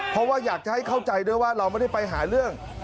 เพราะว่าอยากจะให้เข้าใจด้วยว่าเราไม่ได้ไปหาเรื่อง